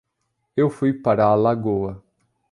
Eu fui para a lagoa.